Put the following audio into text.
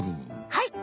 はい！